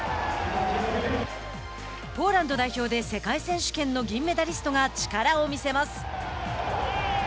ポーランド代表で世界選手権の銀メダリストが力を見せます。